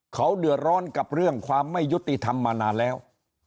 เขาเดือดร้อนกับเรื่องความไม่ยุติธรรมมานานแล้ว